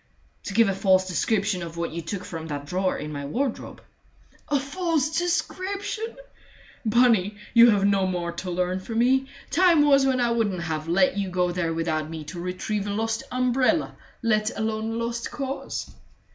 "To give a false description of what you took from that drawer in my wardrobe." "A false description! Bunny, you have no more to learn from me. Time was when I wouldn't have let you go there without me to retrieve a lost umbrella let alone a lost cause!"